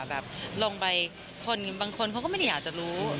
แบบลงไปบางคนก็ไม่อยากจะรู้